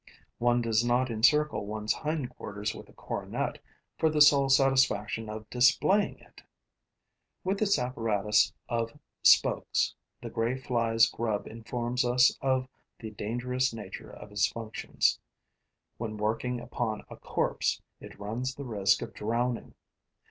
One does not encircle one's hindquarters with a coronet for the sole satisfaction of displaying it. With its apparatus of spokes, the Grey Fly's grub informs us of the dangerous nature of its functions: when working upon a corpse, it runs the risk of drowning.